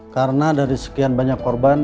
karena dari sekian banyak korban